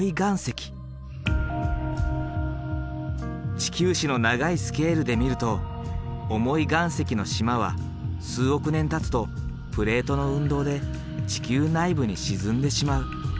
地球史の長いスケールで見ると重い岩石の島は数億年たつとプレートの運動で地球内部に沈んでしまう。